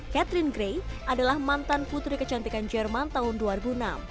catherine gray adalah mantan putri kecantikan jerman tahun dua ribu enam